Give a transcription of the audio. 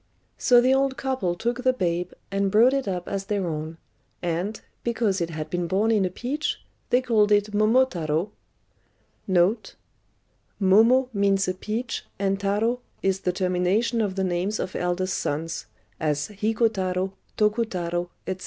So the old couple took the babe, and brought it up as their own; and, because it had been born in a peach, they called it Momotarô, or Little Peachling. [Footnote 53: Momo means a peach, and Tarô is the termination of the names of eldest sons, as Hikotarô, Tokutarô, &c.